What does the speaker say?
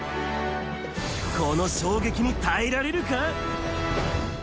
この衝撃に耐えられるか？